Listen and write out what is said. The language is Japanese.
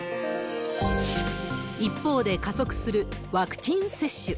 一方で、加速するワクチン接種。